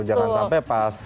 jangan sampai pas